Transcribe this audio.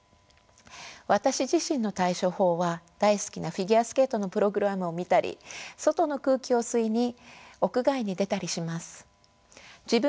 私自身の対処法は大好きなフィギュアスケートのプログラムを見たり外の空気を吸いに屋外に出たりします。